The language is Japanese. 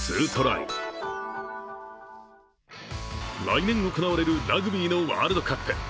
来年行われるラグビーのワールドカップ。